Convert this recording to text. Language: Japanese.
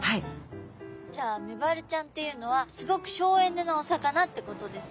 じゃあメバルちゃんっていうのはすごく省エネなお魚ってことですね。